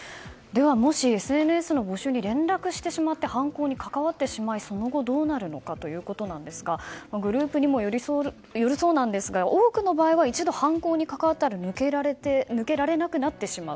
もしＳＮＳの募集に連絡してしまって犯行に関わってしまいその後どうなるのかですがグループにもよるそうですが多くの場合は一度犯行に関わったら抜けられなくなってしまう。